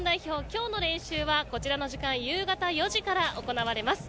今日の練習は、こちらの時間夕方４時から行われます。